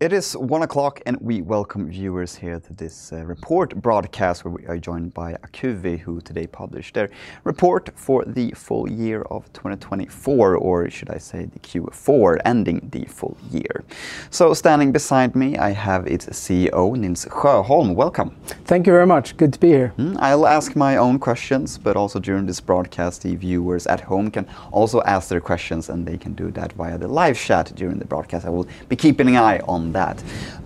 It is 1:00 P.M. We welcome viewers here to this report broadcast, where we are joined by Acuvi, who today published their report for the full year of 2024, or should I say the Q4 ending the full year. Standing beside me, I have its CEO, Nils Sjöholm. Welcome. Thank you very much. Good to be here. I'll ask my own questions, but also during this broadcast, the viewers at home can also ask their questions, and they can do that via the live chat during the broadcast. I will be keeping an eye on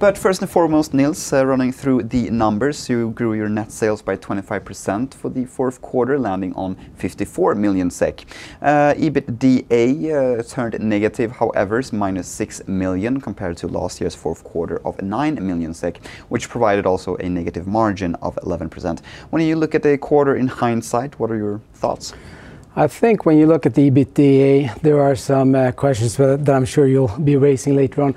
that. First and foremost, Nils, running through the numbers, you grew your net sales by 25% for the fourth quarter, landing on 54 million SEK. EBITDA turned negative, however, is minus 6 million, compared to last year's fourth quarter of 9 million SEK, which provided also a negative margin of 11%. When you look at the quarter in hindsight, what are your thoughts? I think when you look at the EBITDA, there are some questions that I'm sure you'll be raising later on.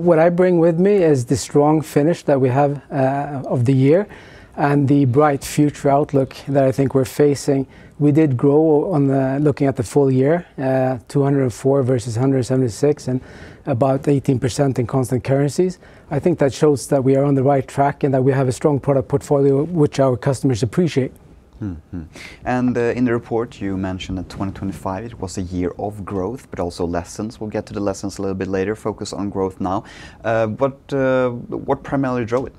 What I bring with me is the strong finish that we have of the year, and the bright future outlook that I think we're facing. We did grow looking at the full year, 204 versus 176, and about 18% in constant currencies. I think that shows that we are on the right track and that we have a strong product portfolio, which our customers appreciate. Mm-hmm. Mm-hmm. In the report, you mentioned that 2025 was a year of growth, but also lessons. We'll get to the lessons a little bit later. Focus on growth now. What primarily drove it?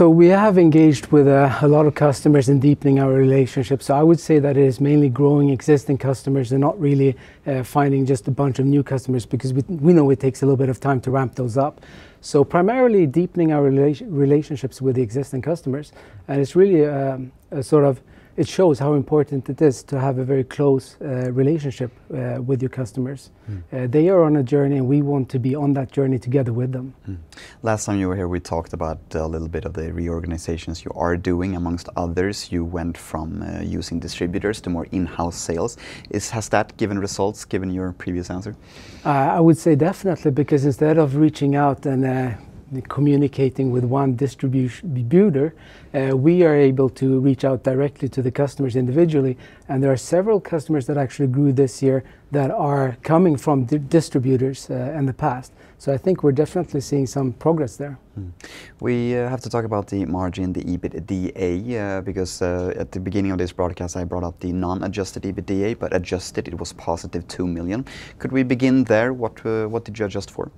We have engaged with a lot of customers in deepening our relationships. I would say that it is mainly growing existing customers and not really finding just a bunch of new customers, because we know it takes a little bit of time to ramp those up. Primarily deepening our relationships with the existing customers, and it's really a sort of it shows how important it is to have a very close relationship with your customers. Mm. They are on a journey, and we want to be on that journey together with them. Last time you were here, we talked about a little bit of the reorganizations you are doing amongst others. You went from using distributors to more in-house sales. Has that given results, given your previous answer? I would say definitely, because instead of reaching out and communicating with one distribution builder, we are able to reach out directly to the customers individually, and there are several customers that actually grew this year that are coming from distributors in the past. I think we're definitely seeing some progress there. We have to talk about the margin, the EBITDA, because at the beginning of this broadcast, I brought up the non-adjusted EBITDA. Adjusted, it was positive 2 million. Could we begin there? What did you adjust for?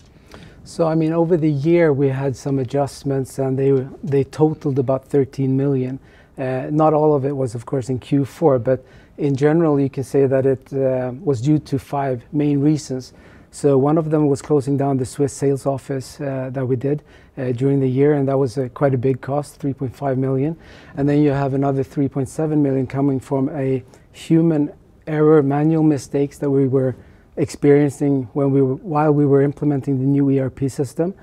I mean, over the year, we had some adjustments, and they totaled about 13 million. Not all of it was, of course, in Q4, but in general, you can say that it was due to five main reasons. One of them was closing down the Swiss sales office that we did during the year, and that was quite a big cost, 3.5 million. You have another 3.7 million coming from a human error, manual mistakes that we were experiencing while we were implementing the new ERP system.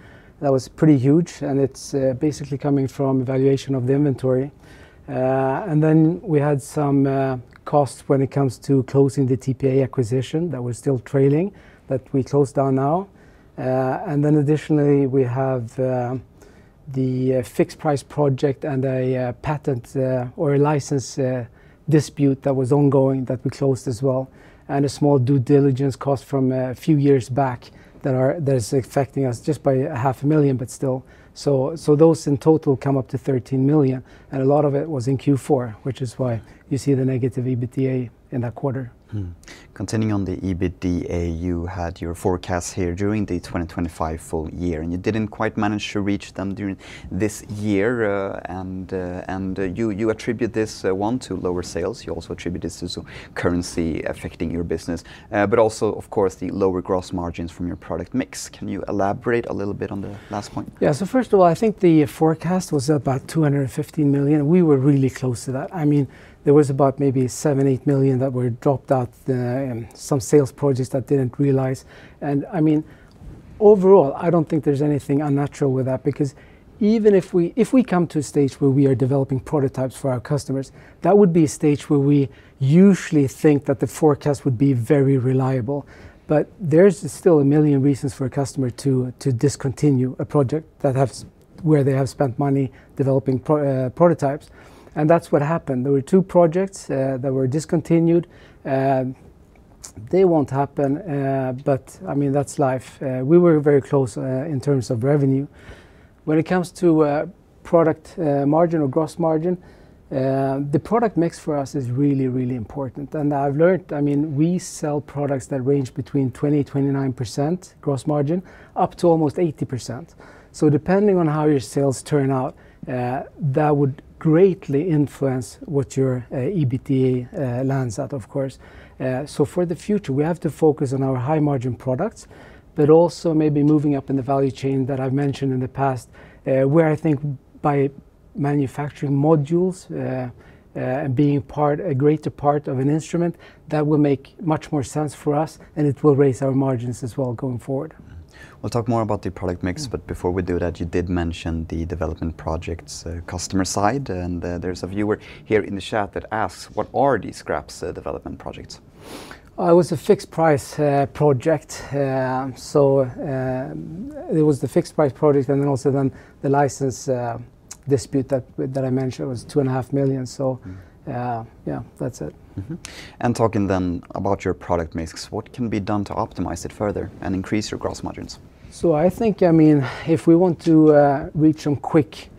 That was pretty huge, and it's basically coming from valuation of the inventory. We had some costs when it comes to closing the Cyrpa acquisition that was still trailing, that we closed down now. Additionally, we have the fixed price project and a patent or a license dispute that was ongoing that we closed as well, and a small due diligence cost from a few years back that is affecting us just by a half a million SEK, but still. Those in total come up to 13 million, and a lot of it was in Q4, which is why you see the negative EBITDA in that quarter. Continuing on the EBITDA, you had your forecast here during the 2025 full year, and you didn't quite manage to reach them during this year. You attribute this one, to lower sales. You also attribute this to some currency affecting your business, but also, of course, the lower gross margins from your product mix. Can you elaborate a little bit on the last point? First of all, I think the forecast was about 250 million. We were really close to that. I mean, there was about maybe 7 million-8 million that were dropped out, and some sales projects that didn't realize. I mean, overall, I don't think there's anything unnatural with that, because even if we come to a stage where we are developing prototypes for our customers, that would be a stage where we usually think that the forecast would be very reliable. But there's still a million reasons for a customer to discontinue a project where they have spent money developing prototypes, and that's what happened. There were two projects that were discontinued. They won't happen, but, I mean, that's life. We were very close in terms of revenue. When it comes to product margin or gross margin, the product mix for us is really, really important. I mean, we sell products that range between 20%-29% gross margin, up to almost 80%. Depending on how your sales turn out, that would greatly influence what your EBITDA lands at, of course. For the future, we have to focus on our high-margin products, but also maybe moving up in the value chain that I've mentioned in the past, where I think by manufacturing modules, being part, a greater part of an instrument, that will make much more sense for us, and it will raise our margins as well going forward. We'll talk more about the product mix. Mm Before we do that, you did mention the development projects, customer side, and, there's a viewer here in the chat that asks, "What are these scraps, development projects? It was a fixed price project. It was the fixed price project, and then also then the license dispute that I mentioned was two and a half million, so, yeah, that's it. Mm-hmm. Talking then about your product mix, what can be done to optimize it further and increase your gross margins? I think, I mean, if we want to reach some quick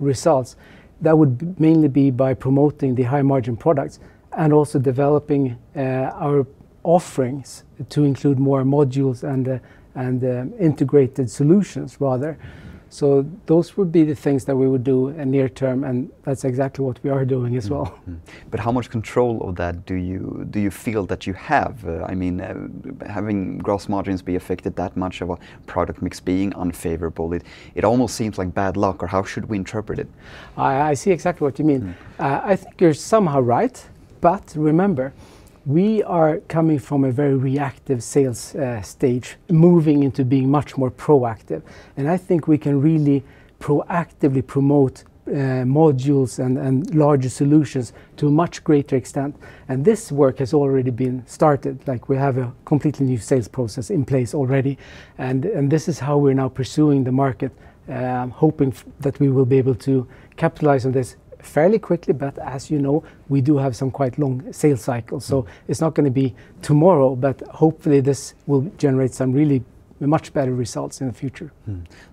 results, that would mainly be by promoting the high margin products, and also developing our offerings to include more modules and integrated solutions rather. Those would be the things that we would do in near term, and that's exactly what we are doing as well. How much control of that do you feel that you have? I mean, having gross margins be affected that much of a product mix being unfavorable, it almost seems like bad luck, or how should we interpret it? I see exactly what you mean. Mm. I think you're somehow right. Remember, we are coming from a very reactive sales stage, moving into being much more proactive. I think we can really proactively promote modules and larger solutions to a much greater extent. This work has already been started. Like, we have a completely new sales process in place already, and this is how we're now pursuing the market. I'm hoping that we will be able to capitalize on this fairly quickly. As you know, we do have some quite long sales cycles. Mm. It's not going to be tomorrow, but hopefully this will generate some really much better results in the future.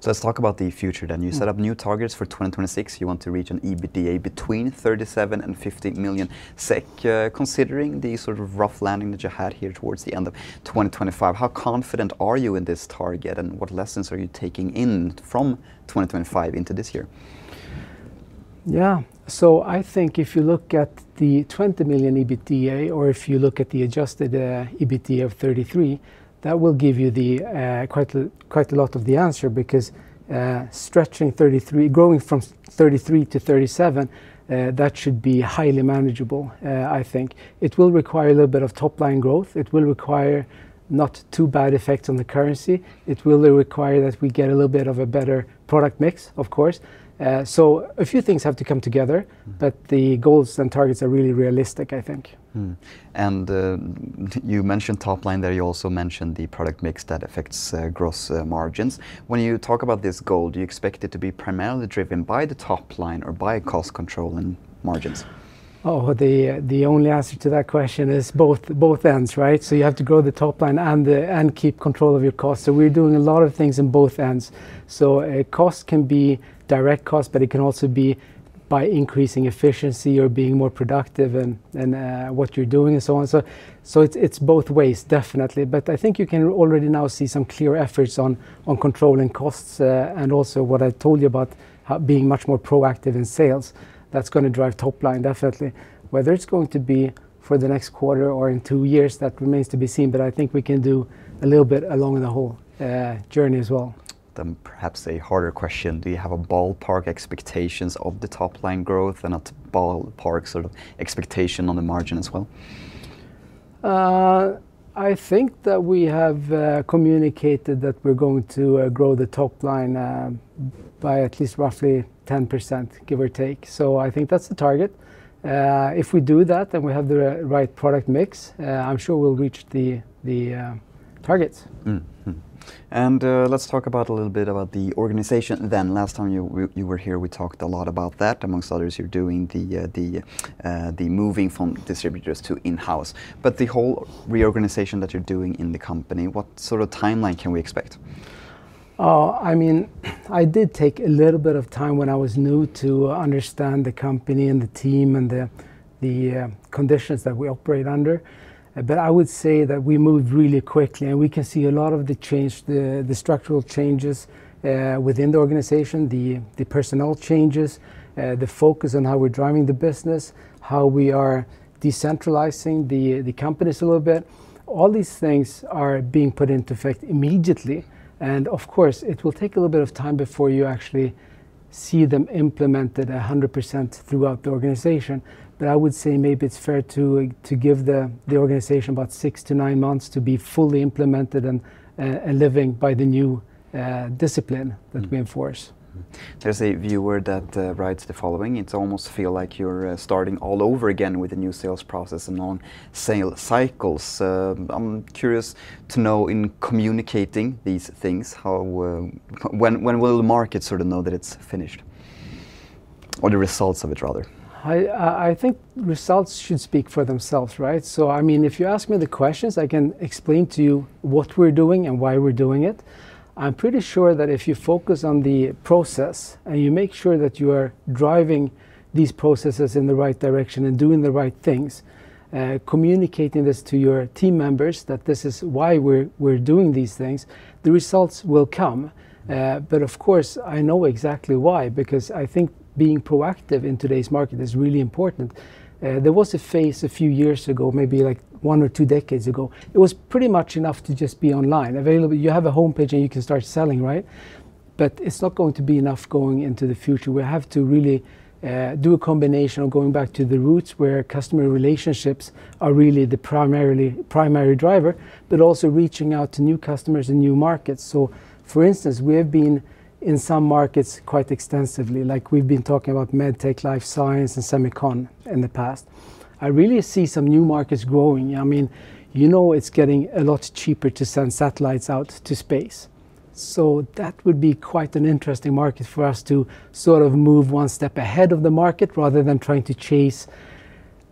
Let's talk about the future then. Mm. You set up new targets for 2026. You want to reach an EBITDA between 37 million and 50 million SEK. Considering the sort of rough landing that you had here towards the end of 2025, how confident are you in this target, and what lessons are you taking in from 2025 into this year? I think if you look at the 20 million EBITDA, or if you look at the adjusted EBT of 33, that will give you quite a lot of the answer. Because stretching 33, growing from 33 to 37, that should be highly manageable, I think. It will require a little bit of top-line growth. It will require not too bad effects on the currency. It will require that we get a little bit of a better product mix, of course. A few things have to come together. Mm The goals and targets are really realistic, I think. You mentioned top line there. You also mentioned the product mix that affects gross margins. When you talk about this goal, do you expect it to be primarily driven by the top line or by cost control and margins? The only answer to that question is both ends, right? You have to grow the top line and keep control of your costs. We're doing a lot of things in both ends. A cost can be direct cost, but it can also be by increasing efficiency or being more productive in what you're doing, and so on. It's both ways, definitely. I think you can already now see some clear efforts on controlling costs and also what I told you about being much more proactive in sales. That's gonna drive top line, definitely. Whether it's going to be for the next quarter or in two years, that remains to be seen, but I think we can do a little bit along the whole journey as well. Perhaps a harder question: Do you have a ballpark expectations of the top line growth and a ballpark sort of expectation on the margin as well? I think that we have communicated that we're going to grow the top line by at least roughly 10%, give or take. I think that's the target. If we do that, then we have the right product mix. I'm sure we'll reach the targets. Let's talk about a little bit about the organization then. Last time you were here, we talked a lot about that. Among others, you're doing the moving from distributors to in-house. The whole reorganization that you're doing in the company, what sort of timeline can we expect? I mean, I did take a little bit of time when I was new to understand the company and the team and the conditions that we operate under. I would say that we moved really quickly, and we can see a lot of the change, the structural changes within the organization, the personnel changes, the focus on how we're driving the business, how we are decentralizing the companies a little bit. All these things are being put into effect immediately. Of course, it will take a little bit of time before you actually see them implemented 100% throughout the organization. I would say maybe it's fair to give the organization about six to nine months to be fully implemented and living by the new discipline. Mm that we enforce. There's a viewer that writes the following: "It's almost feel like you're starting all over again with the new sales process and long sales cycles." I'm curious to know, in communicating these things, how, when will the market sort of know that it's finished? Or the results of it, rather. I think results should speak for themselves, right? I mean, if you ask me the questions, I can explain to you what we're doing and why we're doing it. I'm pretty sure that if you focus on the process and you make sure that you are driving these processes in the right direction and doing the right things, communicating this to your team members, that this is why we're doing these things, the results will come. Mm. Of course, I know exactly why, because I think being proactive in today's market is really important. There was a phase a few years ago, maybe like one or two decades ago, it was pretty much enough to just be online, available. You have a homepage, you can start selling, right? It's not going to be enough going into the future. We have to really do a combination of going back to the roots, where customer relationships are really the primary driver, but also reaching out to new customers and new markets. For instance, we have been in some markets quite extensively, like we've been talking about MedTech, Life Science, and semicon in the past. I really see some new markets growing. I mean, you know it's getting a lot cheaper to send satellites out to space.... That would be quite an interesting market for us to sort of move 1 step ahead of the market, rather than trying to chase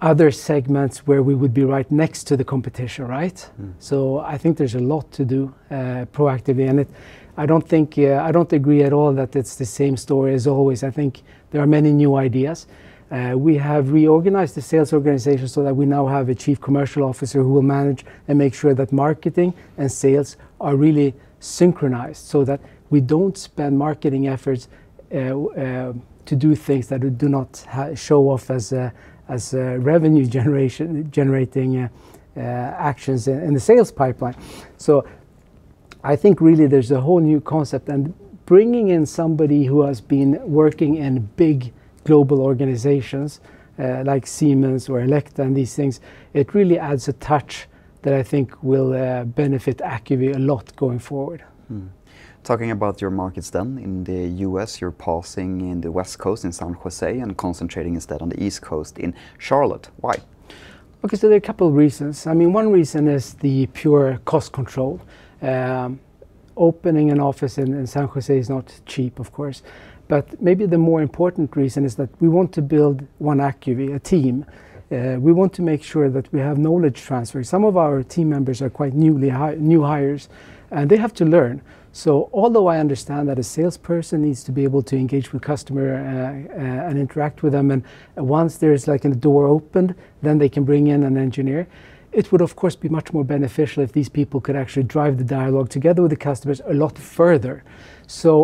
other segments where we would be right next to the competition, right? Mm. I think there's a lot to do proactively, and I don't think I don't agree at all that it's the same story as always. I think there are many new ideas. We have reorganized the sales organization so that we now have a Chief Commercial Officer who will manage and make sure that marketing and sales are really synchronized so that we don't spend marketing efforts to do things that do not show off as a, as a revenue generating actions in the sales pipeline. I think really there's a whole new concept, and bringing in somebody who has been working in big global organizations, like Siemens or Elekta and these things, it really adds a touch that I think will benefit Acuvi a lot going forward. Mm. Talking about your markets then, in the U.S., you're pausing in the West Coast in San José and concentrating instead on the East Coast in Charlotte. Why? There are a couple reasons. I mean, one reason is the pure cost control. Opening an office in San Jose is not cheap, of course, but maybe the more important reason is that we want to build one Acuvi, a team. We want to make sure that we have knowledge transfer. Some of our team members are quite new hires, and they have to learn. Although I understand that a salesperson needs to be able to engage with customer and interact with them, and once there's, like, a door opened, then they can bring in an engineer, it would, of course, be much more beneficial if these people could actually drive the dialogue together with the customers a lot further.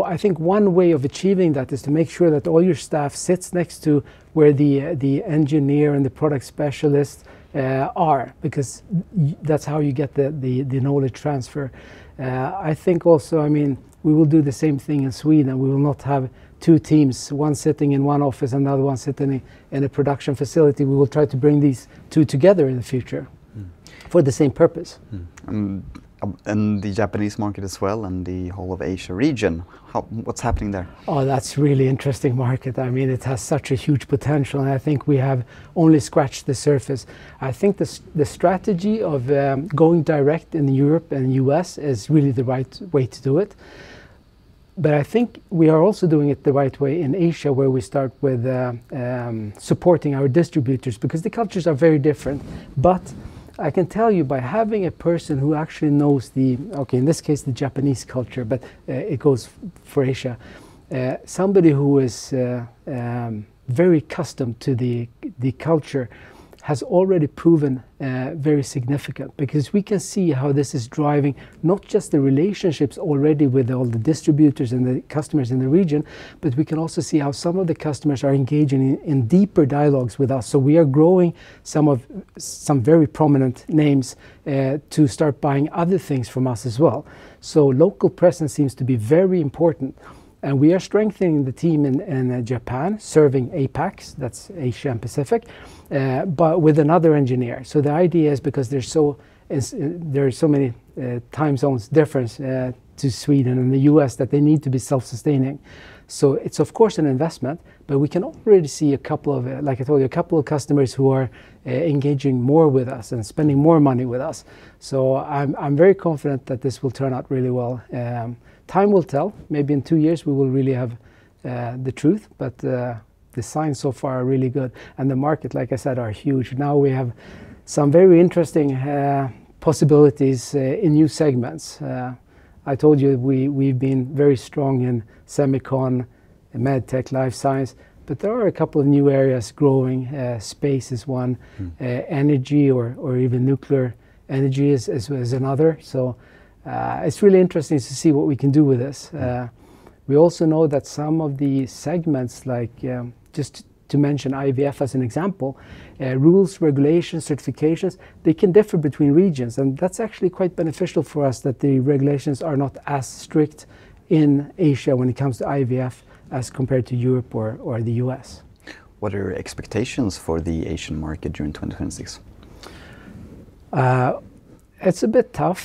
I think one way of achieving that is to make sure that all your staff sits next to where the engineer and the product specialist are, because that's how you get the knowledge transfer. I think also, I mean, we will do the same thing in Sweden. We will not have two teams, one sitting in one office, another one sitting in a production facility. We will try to bring these two together in the future. Mm for the same purpose. The Japanese market as well, and the whole of Asia region, What's happening there? Oh, that's really interesting market. I mean, it has such a huge potential, and I think we have only scratched the surface. I think the strategy of going direct in Europe and U.S. is really the right way to do it. I think we are also doing it the right way in Asia, where we start with supporting our distributors, because the cultures are very different. I can tell you, by having a person who actually knows the Japanese culture, but it goes for Asia. Somebody who is very custom to the culture has already proven very significant, because we can see how this is driving not just the relationships already with all the distributors and the customers in the region, but we can also see how some of the customers are engaging in deeper dialogues with us. We are growing some very prominent names to start buying other things from us as well. Local presence seems to be very important, and we are strengthening the team in Japan, serving APAC, that's Asia and Pacific, but with another engineer. The idea is because there are so many time zones difference to Sweden and the U.S., that they need to be self-sustaining. It's of course an investment, but we can already see a couple of, like I told you, a couple of customers who are engaging more with us and spending more money with us. I'm very confident that this will turn out really well. Time will tell. Maybe in two years, we will really have the truth, but the signs so far are really good, and the market, like I said, are huge. We have some very interesting possibilities in new segments. I told you, we've been very strong in Semicon and MedTech Life Science, but there are a couple of new areas growing. Space is one. Mm. Energy or even nuclear energy is another. It's really interesting to see what we can do with this. We also know that some of the segments like just to mention IVF as an example, rules, regulations, certifications, they can differ between regions, and that's actually quite beneficial for us, that the regulations are not as strict in Asia when it comes to IVF as compared to Europe or the U.S. What are your expectations for the Asian market during 2026? It's a bit tough,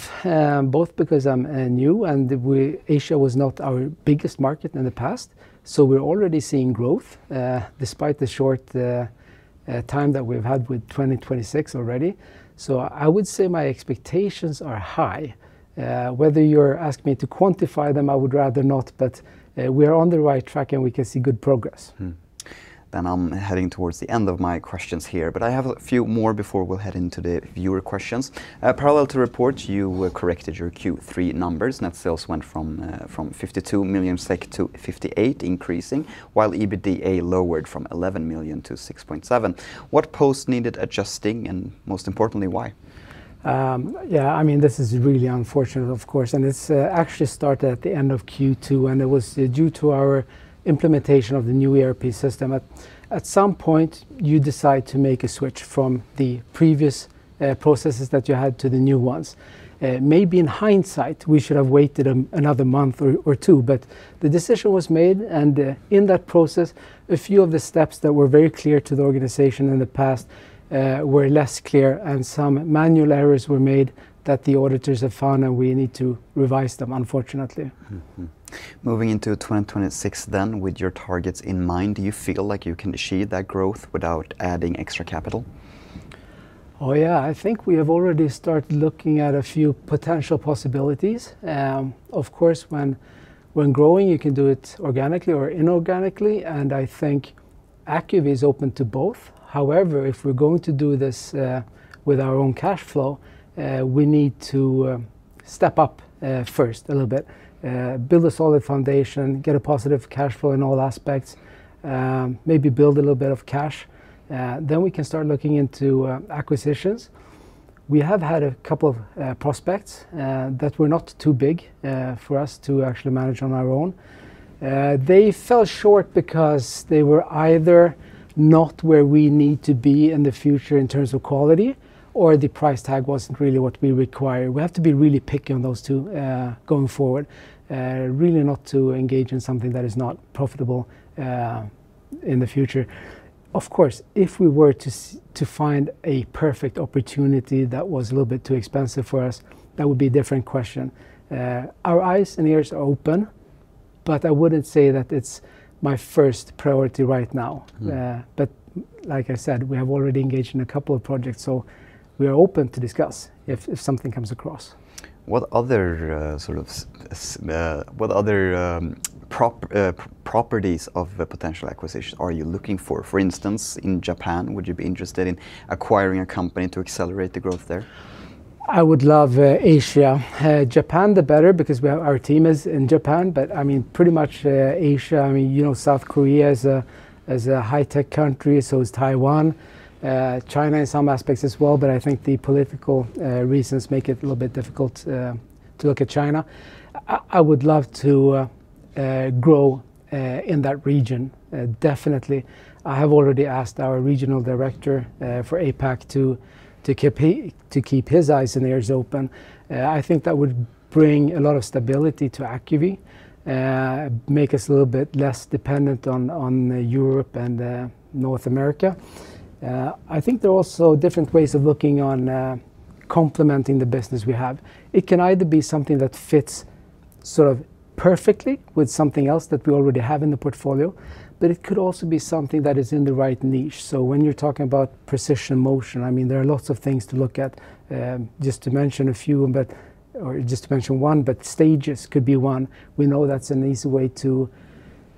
both because I'm new and Asia was not our biggest market in the past. We're already seeing growth, despite the short time that we've had with 2026 already. I would say my expectations are high. Whether you're asking me to quantify them, I would rather not, but we are on the right track, and we can see good progress. I'm heading towards the end of my questions here, but I have a few more before we'll head into the viewer questions. Parallel to report, you corrected your Q3 numbers. Net sales went from 52 million SEK to 58 million, increasing, while EBITDA lowered from 11 million to 6.7 million. What posts needed adjusting, and most importantly, why? I mean, this is really unfortunate, of course, and this actually started at the end of Q2, and it was due to our implementation of the new ERP system. At some point, you decide to make a switch from the previous processes that you had to the new ones. Maybe in hindsight, we should have waited another month or two, but the decision was made, and, in that process, a few of the steps that were very clear to the organization in the past, were less clear, and some manual errors were made that the auditors have found, and we need to revise them, unfortunately. Moving into 2026, with your targets in mind, do you feel like you can achieve that growth without adding extra capital?... Yeah, I think we have already started looking at a few potential possibilities. Of course, when growing, you can do it organically or inorganically, and I think Acuvi is open to both. If we're going to do this with our own cash flow, we need to step up first a little bit. Build a solid foundation, get a positive cash flow in all aspects, maybe build a little bit of cash, then we can start looking into acquisitions. We have had a couple of prospects that were not too big for us to actually manage on our own. They fell short because they were either not where we need to be in the future in terms of quality, or the price tag wasn't really what we require. We have to be really picky on those two, going forward, really not to engage in something that is not profitable, in the future. Of course, if we were to find a perfect opportunity that was a little bit too expensive for us, that would be a different question. Our eyes and ears are open, I wouldn't say that it's my first priority right now. Mm. Yeah, like I said, we have already engaged in a couple of projects, so we are open to discuss if something comes across. What other properties of a potential acquisition are you looking for? For instance, in Japan, would you be interested in acquiring a company to accelerate the growth there? I would love Asia. Japan, the better, because we have... Our team is in Japan, but, I mean, pretty much Asia, I mean, you know, South Korea is a, is a high-tech country, so is Taiwan, China in some aspects as well, but I think the political reasons make it a little bit difficult to look at China. I would love to grow in that region, definitely. I have already asked our regional director for APAC to keep his eyes and ears open. I think that would bring a lot of stability to Acuvi, make us a little bit less dependent on Europe and North America. I think there are also different ways of looking on complementing the business we have. It can either be something that fits sort of perfectly with something else that we already have in the portfolio, but it could also be something that is in the right niche. When you're talking about precision motion, I mean, there are lots of things to look at. Just to mention one, but stages could be one. We know that's an easy way to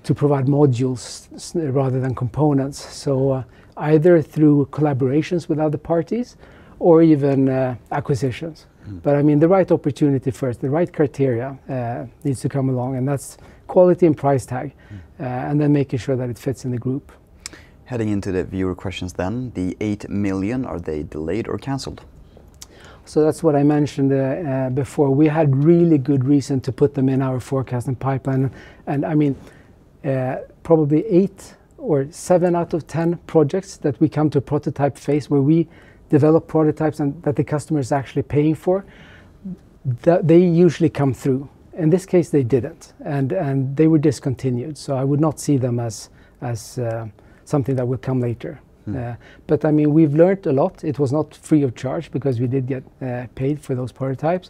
provide modules rather than components, either through collaborations with other parties or even acquisitions. Mm. I mean, the right opportunity first, the right criteria needs to come along, and that's quality and price tag. Mm... making sure that it fits in the group. Heading into the viewer questions then, the 8 million, are they delayed or canceled? That's what I mentioned before. We had really good reason to put them in our forecast and pipeline, I mean, probably eight or seven out of 10 projects that we come to prototype phase, where we develop prototypes and that the customer is actually paying for, they usually come through. In this case, they didn't, and they were discontinued, I would not see them as something that would come later. Mm. I mean, we've learned a lot. It was not free of charge because we did get paid for those prototypes.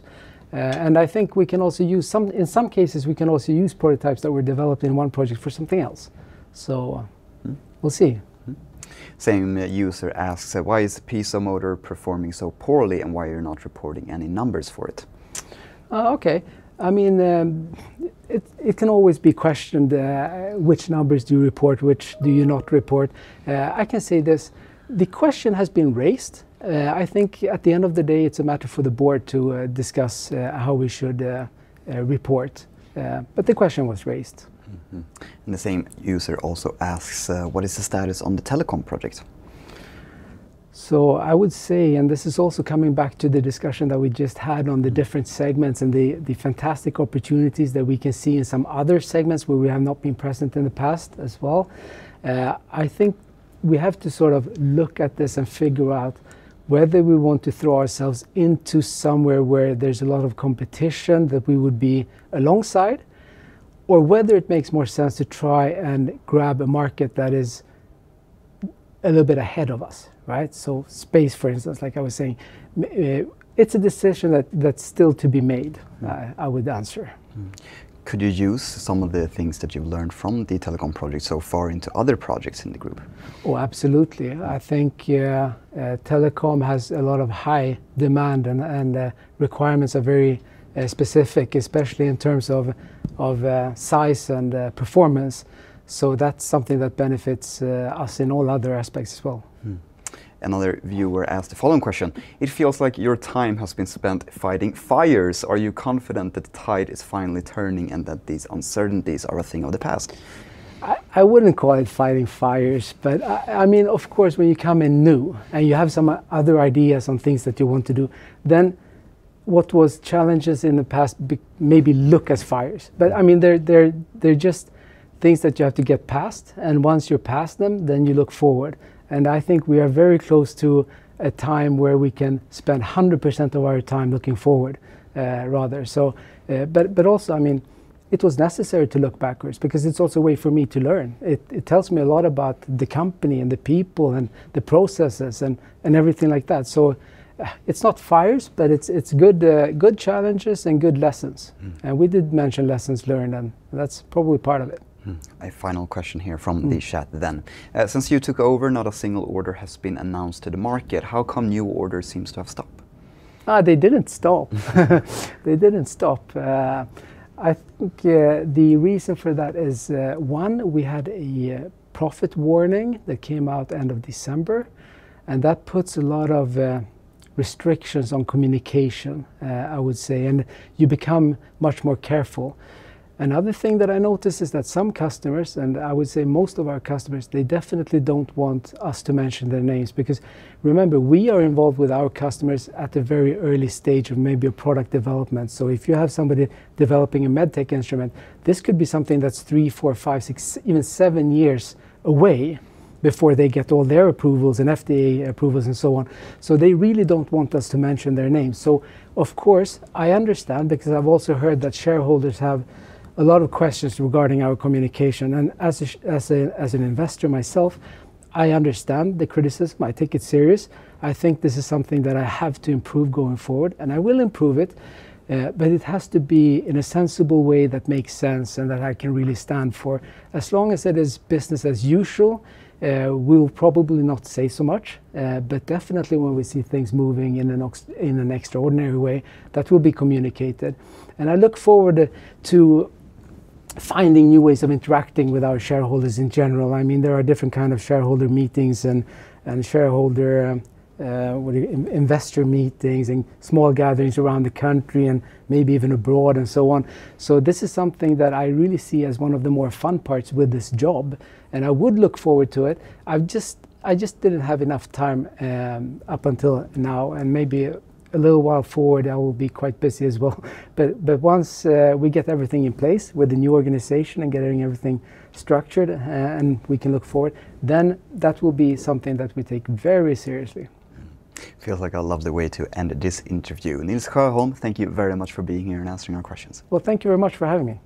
I think we can also use in some cases, we can also use prototypes that were developed in one project for something else. Mm We'll see. Mm-hmm. Same user asks: Why is Piezomotor performing so poorly, and why you're not reporting any numbers for it? Okay. I mean, it can always be questioned, which numbers do you report, which do you not report? I can say this, the question has been raised. I think at the end of the day, it's a matter for the board to discuss, how we should report. The question was raised. Mm-hmm. Mm-hmm, the same user also asks: What is the status on the telecom project? I would say, and this is also coming back to the discussion that we just had on the different segments and the fantastic opportunities that we can see in some other segments where we have not been present in the past as well, I think we have to sort of look at this and figure out whether we want to throw ourselves into somewhere where there's a lot of competition that we would be alongside, or whether it makes more sense to try and grab a market that is a little bit ahead of us, right? Space, for instance, like I was saying, it's a decision that's still to be made. Mm... I would answer. Could you use some of the things that you've learned from the telecom project so far into other projects in the group? Oh, absolutely. I think, yeah, telecom has a lot of high demand, and the requirements are very specific, especially in terms of size and performance, so that's something that benefits us in all other aspects as well. Another viewer asked the following question: "It feels like your time has been spent fighting fires. Are you confident that the tide is finally turning and that these uncertainties are a thing of the past? I wouldn't call it fighting fires, but I mean, of course, when you come in new, and you have some other ideas on things that you want to do, then what was challenges in the past maybe look as fires. Mm. I mean, they're just things that you have to get past, and once you're past them, then you look forward, and I think we are very close to a time where we can spend 100% of our time looking forward, rather. Also, I mean, it was necessary to look backwards because it's also a way for me to learn. It tells me a lot about the company and the people and the processes and everything like that, so, it's not fires, but it's good challenges and good lessons. Mm. We did mention lessons learned, and that's probably part of it. A final question here from the chat then. Mm. Since you took over, not a single order has been announced to the market. How come new orders seems to have stopped? They didn't stop. They didn't stop. I think, the reason for that is, one, we had a profit warning that came out end of December. That puts a lot of restrictions on communication, I would say, and you become much more careful. Another thing that I noticed is that some customers, and I would say most of our customers, they definitely don't want us to mention their names. Because remember, we are involved with our customers at the very early stage of maybe a product development. If you have somebody developing a MedTech instrument, this could be something that's three, four, five, six, even seven years away before they get all their approvals and FDA approvals, and so on. They really don't want us to mention their names. Of course, I understand because I've also heard that shareholders have a lot of questions regarding our communication, and as an investor myself, I understand the criticism. I take it serious. I think this is something that I have to improve going forward, and I will improve it, but it has to be in a sensible way that makes sense and that I can really stand for. As long as it is business as usual, we'll probably not say so much, but definitely when we see things moving in an extraordinary way, that will be communicated. I look forward to finding new ways of interacting with our shareholders in general. I mean, there are different kind of shareholder meetings and shareholder, what do you... investor meetings and small gatherings around the country, and maybe even abroad, and so on. This is something that I really see as one of the more fun parts with this job, and I would look forward to it. I just didn't have enough time up until now, and maybe a little while forward, I will be quite busy as well. Once we get everything in place with the new organization and getting everything structured, and we can look forward, then that will be something that we take very seriously. Feels like I love the way to end this interview. Nils Sjöholm, thank you very much for being here and answering our questions. Well, thank you very much for having me.